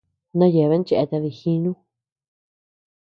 Na yeabean cheatea dijinu.